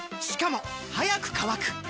しかも速く乾く！